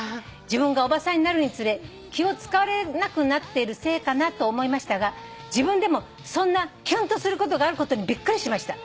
自分がおばさんになるにつれ気を使われなくなっているせいかなと思いましたが自分でもそんなキュンとすることがあることにびっくりしました。